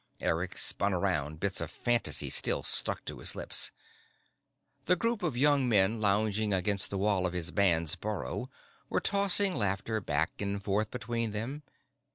Eric spun around, bits of fantasy still stuck to his lips. The group of young men lounging against the wall of his band's burrow were tossing laughter back and forth between them.